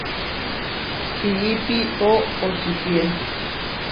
Piípi oʼočikíe.